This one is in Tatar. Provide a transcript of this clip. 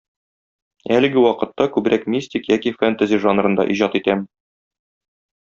Әлеге вакытта күбрәк мистик яки фэнтези жанрында иҗат итәм.